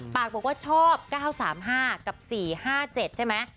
ปากบอกว่าชอบ๙๓๕กับ๔๕๗ใช่ไหม